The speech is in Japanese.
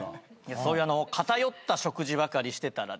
そういう偏った食事ばかりしてたらですね